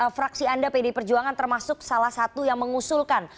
fraksi anda pdi perjuangan termasuk salah satu yang mengusulkan